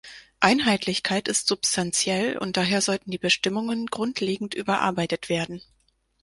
Einheitlichkeit ist substantiell und daher sollten die Bestimmungen grundlegend überarbeitet werden.